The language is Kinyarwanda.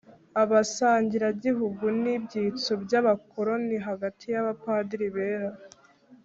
Abasangiragihugu n ibyitso by abakoroni hagati y abapadiri bera